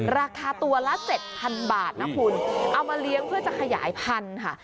ราคาตัวละ๗๐๐บาทนะคุณเอามาเลี้ยงเพื่อจะขยายพันธุ์ค่ะ